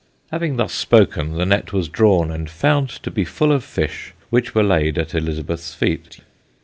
Having thus spoken, the net was drawn and found to be full of fish, which were laid at Elizabeth's feet.